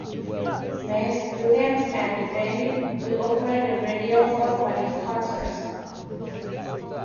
Messrs. Williams and Devinney will operate the radiophone for these concerts.